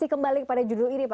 nebat allah abi